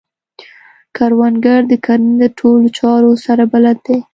کروندګر د کرنې د ټولو چارو سره بلد دی